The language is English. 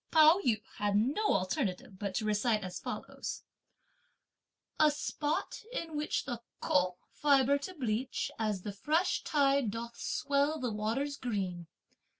Pao yü had no alternative but to recite as follows: A spot in which the "Ko" fibre to bleach, as the fresh tide doth swell the waters green!